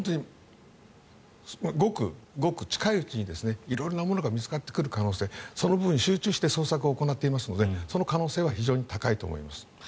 ごくごく近いうちに色んなものが見つかってくる可能性その分集中して捜索を行っていますのでその可能性は非常に高いと思います。